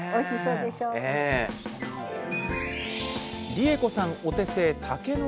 理恵子さんお手製